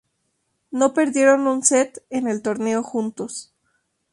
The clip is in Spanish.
No perdieron un set en el torneo juntos.